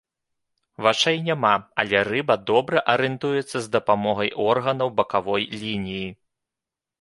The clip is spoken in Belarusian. Вачэй няма, але рыба добра арыентуецца з дапамогай органаў бакавой лініі.